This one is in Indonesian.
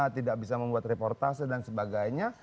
tidak bisa membuat reportase dan sebagainya